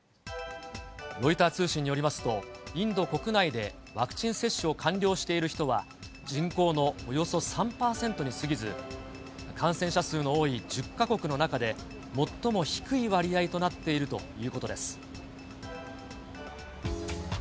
ロイター通信によりますと、インド国内でワクチン接種を完了している人は、人口のおよそ３％に過ぎず、感染者数の多い１０か国の中で、最も低い割合となっているということです。